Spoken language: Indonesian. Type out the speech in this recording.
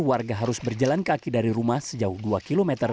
warga harus berjalan kaki dari rumah sejauh dua km